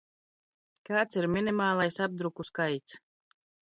Kāds ir minimālais apdruku skaits?